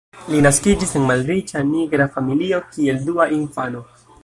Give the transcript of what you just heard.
Li naskiĝis en malriĉa nigra familio, kiel dua infano.